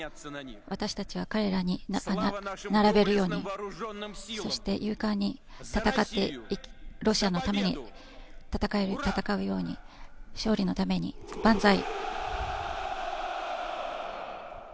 私たちは彼らに並べるように、そして勇敢に戦って、ロシアのために戦うように、勝利のために万歳！